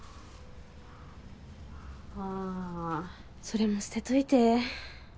ああそれも捨てといて。